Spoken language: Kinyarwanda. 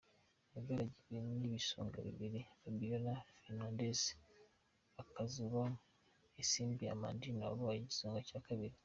Yagaragiwe n’ibisonga bibiri, Fabiola Fernandes Akazuba na Isimbi Amandine wabaye igisonga cya kabiri.